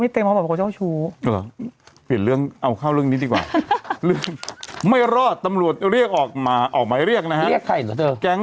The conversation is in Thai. แต่อยากไปลองสักเหมือนกัน